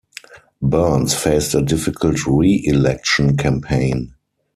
Burns faced a difficult re-election campaign.